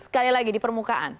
sekali lagi di permukaan